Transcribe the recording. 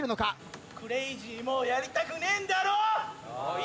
クレイジーもうやりたくねえんだろ！？